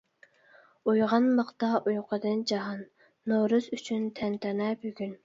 ئويغانماقتا ئۇيقۇدىن جاھان، نورۇز ئۈچۈن تەنتەنە بۈگۈن.